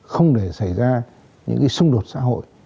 không để xảy ra những xung đột xã hội